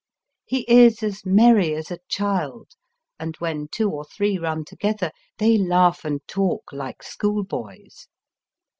He is as merry as a child, and when two or three run together they laugh and talk like schoolboys.